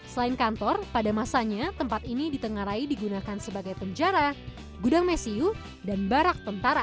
selain kantor pada masanya tempat ini ditengarai digunakan sebagai penjara gudang mesiu dan barak tentara